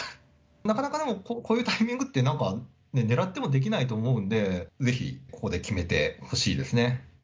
なかなかでも、こういうタイミングって、なんか狙ってもできないと思うんで、ぜひここで決めてほしいですね。